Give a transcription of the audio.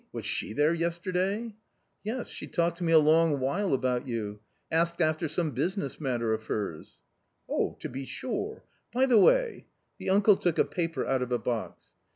Was she there yesterday ?"*—*" Yes, she talked to me a long while about you, asked after some business matter of hers." "Oh, to be sure; by the way " The uncle took a paper out of a box.